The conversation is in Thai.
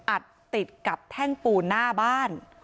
อัดติดกับแท่งปูนหน้าบ้าน